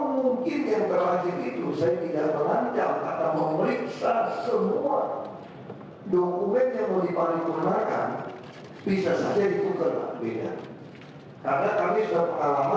maka disitu di atur di belakangnya nilainya kita sebut saja